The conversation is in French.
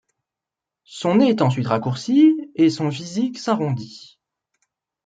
Son nez est ensuite raccourci, et son physique s'arrondit.